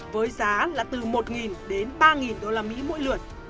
với giá là từ một đến ba usd mỗi lượt